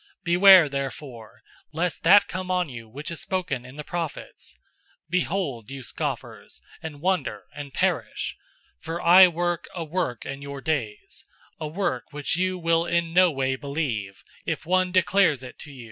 013:040 Beware therefore, lest that come on you which is spoken in the prophets: 013:041 'Behold, you scoffers, and wonder, and perish; for I work a work in your days, a work which you will in no way believe, if one declares it to you.'"